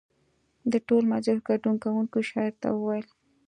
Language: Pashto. د ټول مجلس ګډون کوونکو شاعر ته وویل.